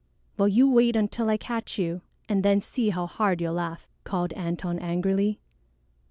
"Well, you wait until I catch you and then see how hard you'll laugh," called Antone angrily.